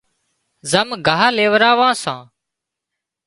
زم ڳاهَه ليوراوان سان